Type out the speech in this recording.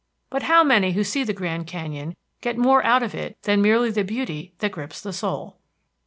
But how many who see the Grand Canyon get more out of it than merely the beauty that grips the soul?